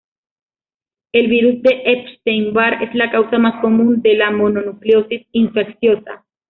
El virus de Epstein Barr es la causa más común de la mononucleosis infecciosa.